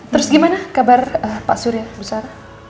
terus gimana kabar pak surya busara